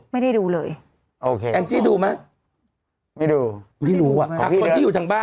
ไม่ได้ดูเลยโอเคแองจี้ดูไหมไม่ดูไม่รู้อ่ะคนที่อยู่ทางบ้าน